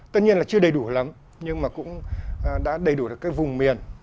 tất nhiên là chưa đầy đủ lắm nhưng mà cũng đã đầy đủ được các vùng miền